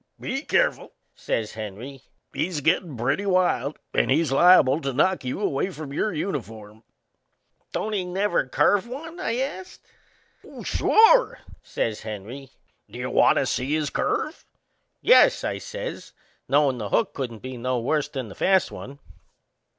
"Be careful!" says Henry. "He's gettin' pretty wild and he's liable to knock you away from your uniform." "Don't he never curve one?"I ast. "Sure!" says Henry. "Do you want to see his curve?" "Yes," I says, knowin' the hook couldn't be no worse'n the fast one.